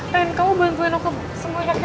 pengen kamu bantuin aku sembuh anaknya aku ya